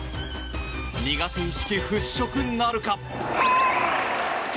苦手意識払拭なるか。